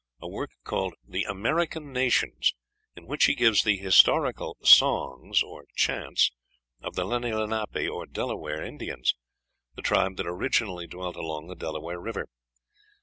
a work called "The American Nations," in which he gives the historical songs or chants of the Lenni Lenapi, or Delaware Indians, the tribe that originally dwelt along the Delaware River.